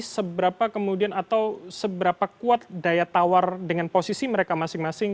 seberapa kemudian atau seberapa kuat daya tawar dengan posisi mereka masing masing